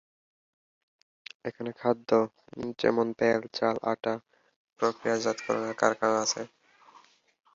এখানে খাদ্য যেমন তেল, চাল, আটা প্রক্রিয়াজাতকরণের কারখানা আছে।